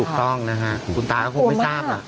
ถูกต้องนะฮะคุณตาก็คงไม่ทราบล่ะ